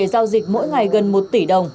giao dịch mỗi ngày gần một tỷ đồng